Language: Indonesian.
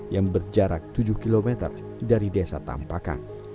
yang berjarak tujuh km dari desa tampakang